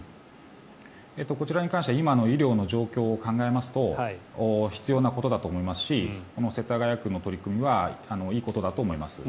こちらに関しては今の医療の状況を考えますと必要なことだと思いますし世田谷区のこの取り組みはいいことだと思います。